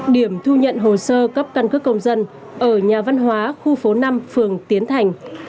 điểm thu nhận hồ sơ cấp căn cước công dân ở nhà văn hóa khu phố năm phường tiến thành